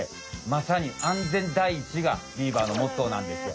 まさに安全第一がビーバーのモットーなんですよ。